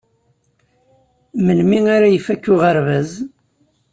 Melmi ara ifak uɣerbaz?